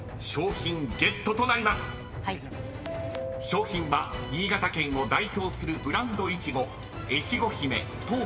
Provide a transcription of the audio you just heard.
［賞品は新潟県を代表するブランドイチゴ］